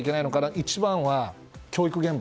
一番は教育現場。